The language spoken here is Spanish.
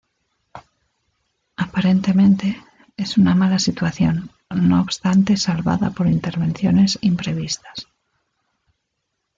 Aparentemente, es una mala situación, no obstante salvada por intervenciones imprevistas.